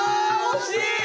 惜しい！